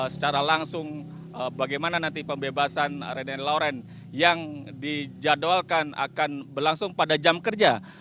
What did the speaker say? secara langsung bagaimana nanti pembebasan reden lawrence yang dijadwalkan akan berlangsung pada jam kerja